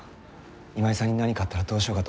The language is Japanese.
今井さんに何かあったらどうしようかと思った。